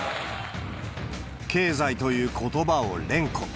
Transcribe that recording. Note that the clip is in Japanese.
経済ということばを連呼。